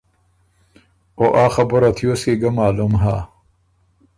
او آ خبُره تیوس کی ګۀ معلوم هۀ۔